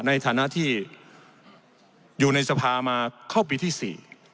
ในฐานะที่อยู่ในสภามาเข้าปีที่๔